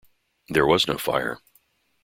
There was no fire.